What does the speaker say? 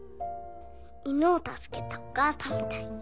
犬を助けたおかあさんみたいに。